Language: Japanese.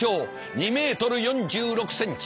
２ｍ４６ｃｍ。